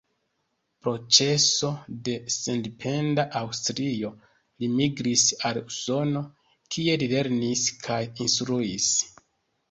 Pro ĉeso de sendependa Aŭstrio li migris al Usono, kie li lernis kaj instruis.